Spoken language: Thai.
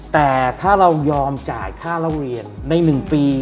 แต่ถ้าเรายอมจ่ายค่าเล่าเรียนใน๑ปี